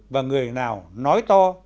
và người nào nói to